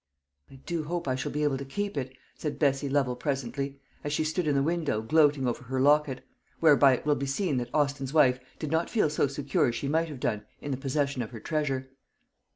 "I do hope I shall be able to keep it," said Bessie Lovel presently, as she stood in the window gloating over her locket; whereby it will be seen that Austin's wife did not feel so secure as she might have done in the possession of her treasure.